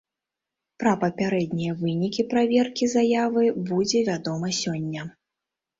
Пра папярэднія вынікі праверкі заявы будзе вядома сёння.